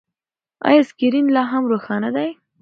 ایا سکرین لا هم روښانه دی؟